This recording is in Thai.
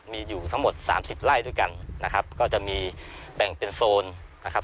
มีอยู่ทั้งหมดสามสิบไร่ด้วยกันนะครับก็จะมีแบ่งเป็นโซนนะครับ